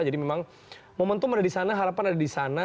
jadi memang momentum ada di sana harapan ada di sana